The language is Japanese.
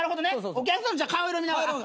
お客さんの顔色見ながら。